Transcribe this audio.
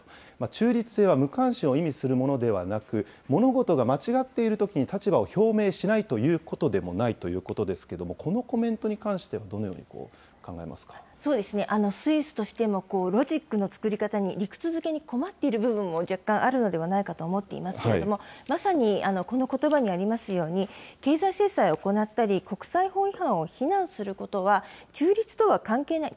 中立性は無関心を意味するものではなく、物事が間違っているときに立場を表明しないということでもないということですけれども、このコメントに関しては、どのように考えスイスとしても、ロジックの作り方に、理屈づけに困っている部分も若干あるのではないかと思っていますけれども、まさにこのことばにありますように、経済制裁を行ったり、国際法違反を非難することは、中立とは関係ない。